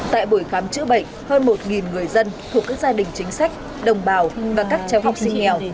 tại buổi khám chữa bệnh hơn một người dân thuộc các gia đình chính sách đồng bào và các cháu học sinh nghèo